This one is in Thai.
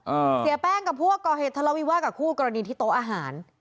เออเสียแป้งกับพวกกอเหศรวีวะกับคู่กรณีที่โต๊ะอาหาร